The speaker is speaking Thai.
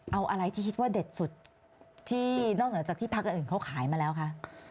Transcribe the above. เอาอะไรที่คิดว่าเด็ดสุดที่นอกเหนือจากที่พักอื่นเขาขายมาแล้วคะ